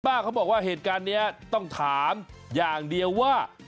เขาบอกว่าเหตุการณ์นี้ต้องถามอย่างเดียวว่า